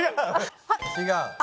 違う。